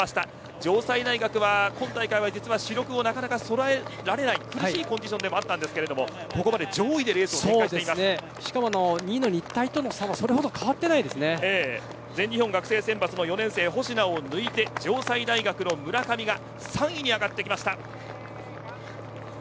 城西大学は今大会は実は主力をなかなかそろえられない苦しいコンディションでしたがここまで上位でしかも２位の日体との差も全日本学生選抜の４年生保科を抜いて城西大学の村上が３位に上がってきました。